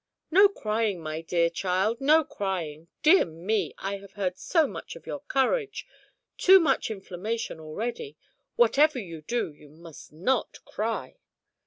"No crying, my dear child, no crying! Dear me, I have heard so much of your courage. Too much inflammation already. Whatever you do, you must not cry.